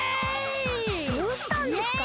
どうしたんですか？